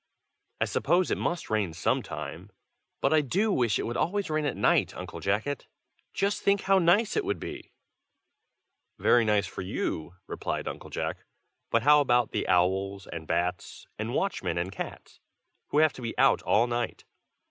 "I suppose it must rain some time. But I do wish it would always rain at night, Uncle Jacket. Just think how nice it would be!" "Very nice for you," replied Uncle Jack. "But how about the owls and bats, and watchmen and cats, who have to be out all night?